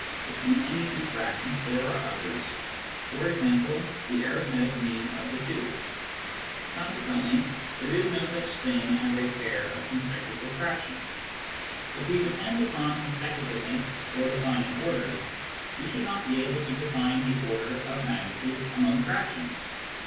Between any two fractions there are others — for example, the arithmetic mean of the two. Consequently there is no such thing as a pair of consecutive fractions. If we depended 38 Introduction to Mathematical Philosophy upon consecutiveness for denning order, we should not be able to define the order of magnitude among fractions.